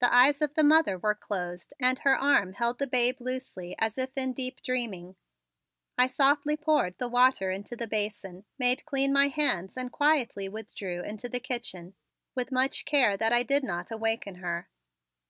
The eyes of the mother were closed and her arm held the babe loosely as if in a deep dreaming. I softly poured the water into the basin, made clean my hands and quietly withdrew into the kitchen, with much care that I did not awaken her.